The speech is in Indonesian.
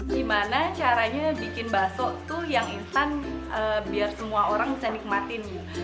gimana caranya bikin bakso tuh yang instan biar semua orang bisa nikmatin